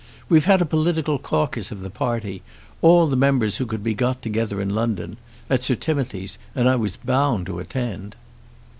"We've had a political caucus of the party, all the members who could be got together in London, at Sir Timothy's, and I was bound to attend."